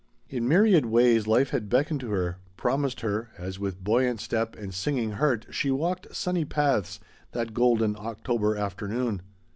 In myriad ways life had beckoned to her, promised her, as with buoyant step and singing heart she walked sunny paths that golden October afternoon.